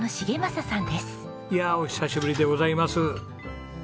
いやあお久しぶりでございます。